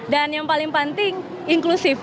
yang paling penting inklusif